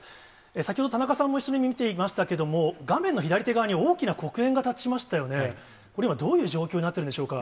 先ほど、田中さんも一緒に見ていましたけれども、画面の左手側に大きな黒煙が立ちましたよね、これは今、どういう状況になっているのでしょうか。